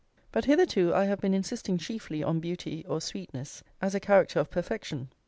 But hitherto I have been insisting chiefly on beauty, or sweetness, as a character of perfection.